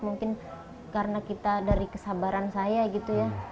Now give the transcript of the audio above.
mungkin karena kita dari kesabaran saya gitu ya